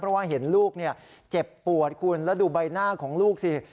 เพราะว่าเห็นลูกเจ็บปวดคุณแล้วดูใบหน้าของลูกสิ